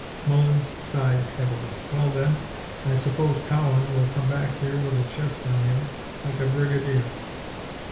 Mullins sighed, heavily. "Well then, I suppose Cowan will come back here with a chest on him like a Brigadier!"